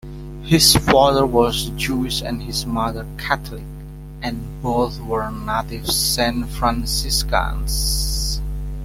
His father was Jewish and his mother Catholic, and both were native San Franciscans.